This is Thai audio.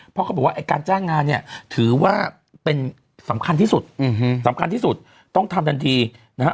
เพราะเขาบอกว่าไอ้การจ้างงานเนี่ยถือว่าเป็นสำคัญที่สุดสำคัญที่สุดต้องทำทันทีนะฮะ